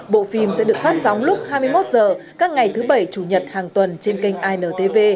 bộ phim sẽ được phát sóng lúc hai mươi một h các ngày thứ bảy chủ nhật hàng tuần trên kênh intv